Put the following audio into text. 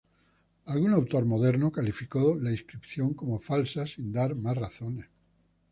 Algún autor moderno calificó la inscripción como falsa sin dar más razones.